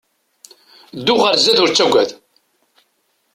Ddu ɣer sdat ur ttaggad!